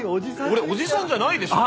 俺おじさんじゃないでしょ。